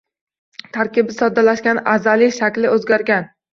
Tarkibi soddlashgan, azaliy shakli o‘zgargan.